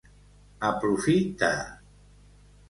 A profit de.